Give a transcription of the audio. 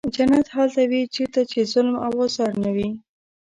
جنت هلته وي چېرته چې ظلم او آزار نه وي.